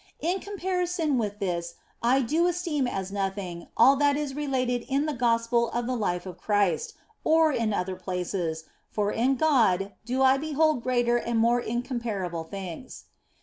In comparison with this I do esteem as nothing all that is related in the Gospel of the Life of Christ, or in other places, for in God do I behold greater and yet more incomparable things.